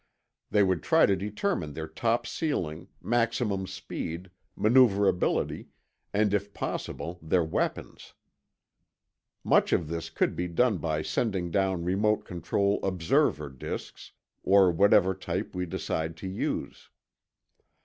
They would try to determine their top ceiling, maximum speed, maneuverability, and if possible their weapons. Mitch of this could be done by sending down remote control "observer" disks, or whatever type we decide to use.